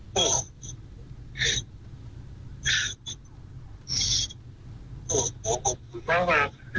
ขอขอบคุณมาก